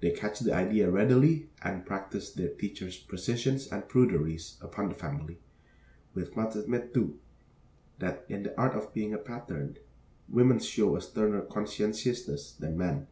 They catch the idea readily and practice their teachers' precisions and pruderies upon the family. We must admit, too, that in the art of being a pattern, women show a sterner conscientiousness than men.